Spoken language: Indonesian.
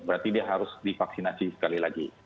berarti dia harus divaksinasi sekali lagi